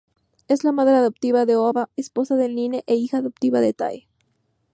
Es la madre adoptiva de Aoba, esposa de Nine e hija adoptiva de Tae.